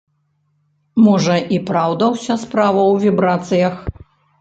Можа, і праўда ўся справа ў вібрацыях?